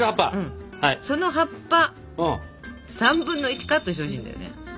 その葉っぱ３分の１カットしてほしいんだよね。